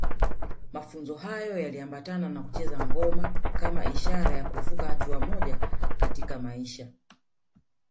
Mafunzo hayo yaliambatana na kucheza ngoma kama ishara ya kuvuka hatua moja katika maisha